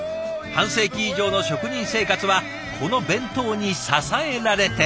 半世紀以上の職人生活はこの弁当に支えられて。